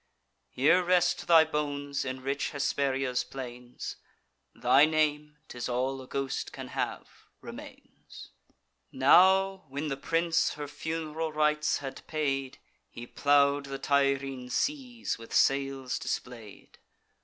Here rest thy bones in rich Hesperia's plains; Thy name ('tis all a ghost can have) remains. Now, when the prince her fun'ral rites had paid, He plow'd the Tyrrhene seas with sails display'd.